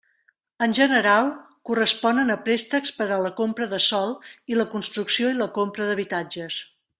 En general corresponen a préstecs per a la compra de sòl i la construcció i la compra d'habitatges.